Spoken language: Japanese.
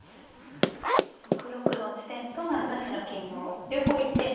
６六の地点と７八の金を両方いっぺんに。